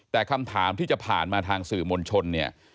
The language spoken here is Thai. แต่คำถามที่จะผ่านมาทางสื่อมวลชนเนี่ย